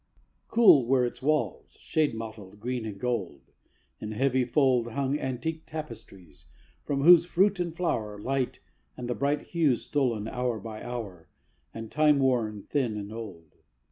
Cool were its walls, shade mottled, green and gold, In heavy fold Hung antique tapestries, from whose fruit and flower Light had the bright hues stolen, hour by hour, And time worn thin and old.